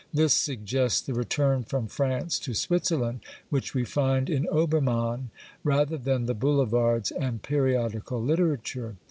This suggests the return from France to Switzerland which we find in Oberma7in, rather than the boulevards and periodical literature.